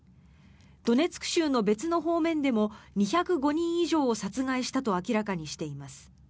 ドネツク州の別の方面でも２０５人以上を殺害したと明らかにしています。